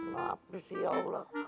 lapsi ya allah